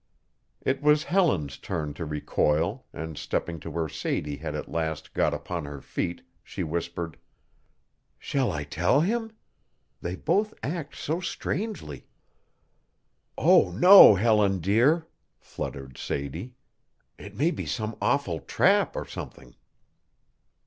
It was Helen's turn to recoil and stepping to where Sadie had at last got upon her feet, she whispered: "Shall I tell him? They both act so strangely." "Oh, no, Helen, dear," fluttered Sadie. "It may be some awful trap or something."